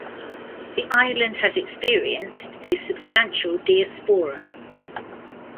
The island has experienced a substantial diaspora.